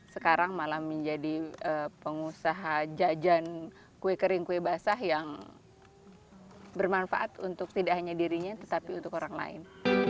sekarang malah menjadi pengusaha jajan kue kering kue basah yang bermanfaat untuk tidak hanya dirinya tetapi untuk orang lain